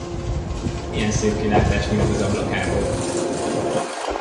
Milyen szép kilátás nyílt az ablakából!